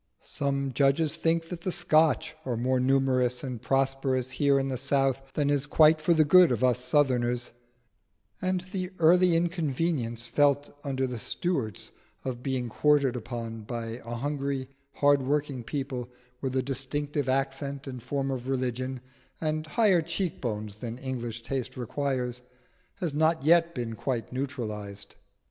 Some judges think that the Scotch are more numerous and prosperous here in the South than is quite for the good of us Southerners; and the early inconvenience felt under the Stuarts of being quartered upon by a hungry, hard working people with a distinctive accent and form of religion, and higher cheek bones than English taste requires, has not yet been quite neutralised.